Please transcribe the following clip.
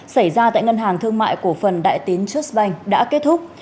xảy ra tại ngân hàng thương mại của phần đại tín trust bank đã kết thúc